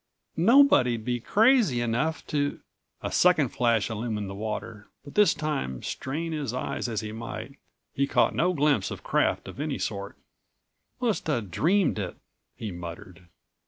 "Nobody'd be crazy enough to—" A second flash illumined the water, but this time, strain his eyes as he might, he caught no glimpse of craft of any sort. "Must have dreamed it," he muttered.